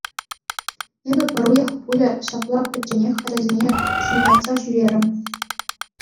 Эпӗ пӗр уйӑх пулӗ ҫапла пӗчченех ачасене шуйхатса ҫӳрерӗм.